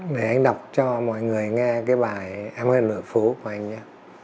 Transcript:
để anh đọc cho mọi người nghe cái bài em hơn lựa phố của anh nhé